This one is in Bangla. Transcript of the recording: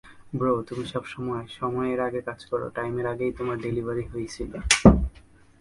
ব্রো তুমি সবসময় সময়ের আগে কাজ করো, টাইমের আগেই তোমার ডেলিভারী হইছিলো?